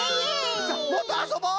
さあもっとあそぼう！